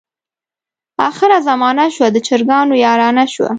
اخره زمانه شوه، د چرګانو یارانه شوه.